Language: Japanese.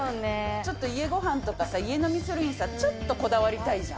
ちょっと家ごはんとかさ、家飲みするのにちょっとこだわりたいじゃん。